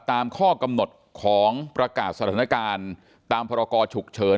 ตามข้อกำหนดของประกาศสถานการณ์ตามพรกรฉุกเฉิน